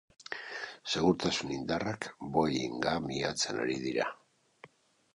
Segurtasun indarrak boeinga miatzen ari dira.